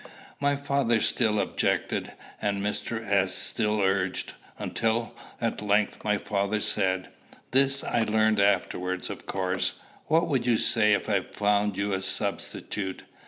My father still objected, and Mr. S. still urged, until, at length, my father said this I learned afterwards, of course "What would you say if I found you a substitute?"